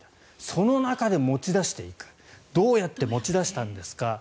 その中で持ち出していくどうやって持ち出したんですか。